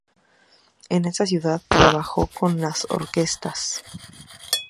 En esa ciudad, trabajó con las orquestas.